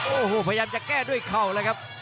โอ้โหพยายามจะแก้ด้วยเข่าเลยครับ